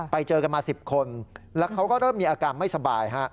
ไปเจอกันมา๑๐คนแล้วเขาก็เริ่มมีอาการไม่สบายฮะ